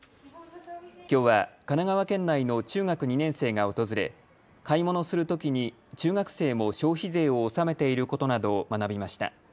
きょうは神奈川県内の中学２年生が訪れ買い物するときに中学生も消費税を納めていることなどを学びました。